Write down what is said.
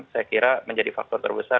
saya kira menjadi faktor terbesar